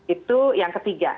itu yang ketiga